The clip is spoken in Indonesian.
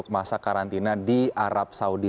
masa karantina di arab saudi